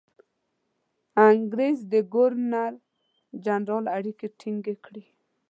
انګرېز ګورنرجنرال اړیکې ټینګ کړي.